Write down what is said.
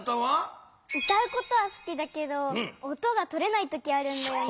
歌うことはすきだけど音がとれない時あるんだよね。